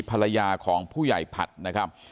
ภรรยาของผู้ใหญ่ผัดนะครับ